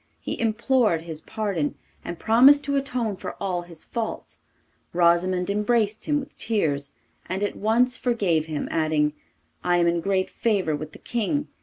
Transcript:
He implored his pardon, and promised to atone for all his faults. Rosimond embraced him with tears, and at once forgave him, adding, 'I am in great favour with the King.